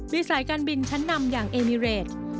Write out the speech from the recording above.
มีสายการบินชั้นนำอย่างเอมิเรส